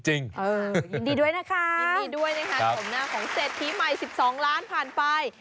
ยินดีด้วยนะคะยินดีด้วยนะคะชมหน้าของเศรษฐีใหม่๑๒ล้านผ่านไป